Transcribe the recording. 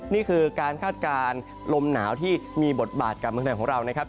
นี่คือการคาดการณ์ลมหนาวที่มีบทบาทกับเมืองไทยของเรานะครับ